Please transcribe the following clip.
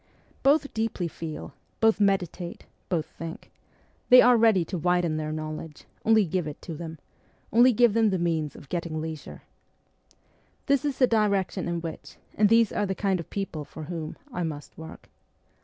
Both deeply feel, both meditate, both think ; they are ready to widen their knowledge : only give it to them ; only give them the means of getting leisure. This is the direction in which, and these are the kind of people for whom, I must work.